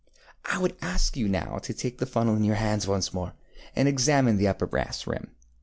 ŌĆØ ŌĆ£I would ask you now to take the funnel into your hands once more and to examine the upper brass rim.